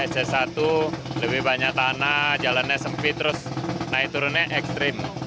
sc satu lebih banyak tanah jalannya sempit terus naik turunnya ekstrim